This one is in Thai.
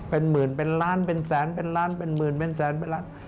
เป็นหมื่นเป็นล้านเป็นแสนเป็นล้านเป็นหมื่นเป็นแสนเป็นล้าน